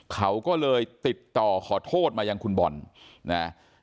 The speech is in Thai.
เขาก็เลยติดต่อขอโทษมายังคุณบอลนะ